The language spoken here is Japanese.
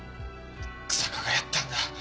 日下がやったんだ。